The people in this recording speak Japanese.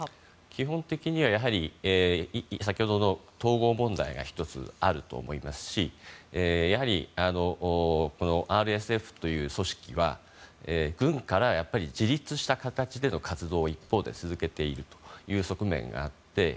基本的には、やはり先ほどの統合問題が１つ、あると思いますしやはり、ＲＳＦという組織は軍から自立した形での活動を一方で続けているという側面があって。